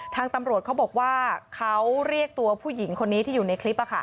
ทางตำรวจเขาบอกว่าเขาเรียกตัวผู้หญิงคนนี้ที่อยู่ในคลิป